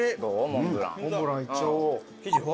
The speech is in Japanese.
モンブランいっちゃおう。